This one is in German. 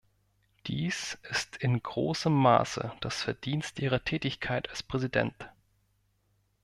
Dies ist in großem Maße das Verdienst Ihrer Tätigkeit als Präsident.